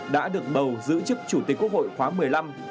đã được bầu giữ chức chủ tịch quốc hội khóa một mươi năm